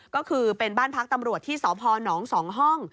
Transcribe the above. ก็คือเป็นบ้านพักตำรวจที่สพน๒ห้อง